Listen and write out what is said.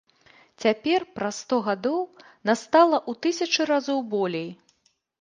Цяпер, праз сто гадоў, нас стала ў тысячы разоў болей.